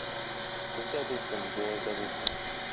Кыз да булсын, буаз да булсын